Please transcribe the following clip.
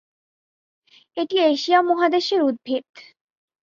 এটি এশিয়া মহাদেশের উদ্ভিদ।